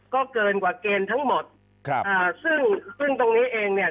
ก็เกินกว่าเกณฑ์ทั้งหมดซึ่งตรงนี้เองเนี่ย